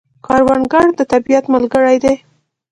کروندګر د طبیعت ملګری دی